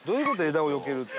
枝をよけるって。